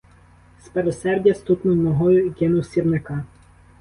Спересердя стукнув ногою і кинув сірника.